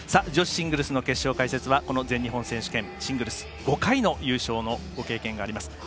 女子シングルスの決勝解説はこの全日本選手権シングルス５回の優勝のご経験があります